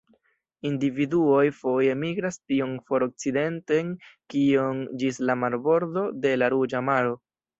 Individuoj foje migras tiom for okcidenten kiom ĝis la marbordo de la Ruĝa Maro.